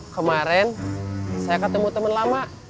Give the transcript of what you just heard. kemaren saya ketemu temen lama